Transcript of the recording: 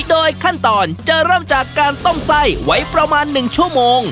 โดยขั้นตอนจะเริ่มจากการต้มไส้ไว้ประมาณ๑ชั่วโมง